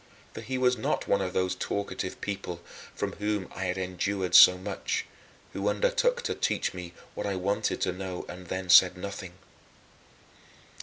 For he was not one of those talkative people from whom I had endured so much who undertook to teach me what I wanted to know, and then said nothing.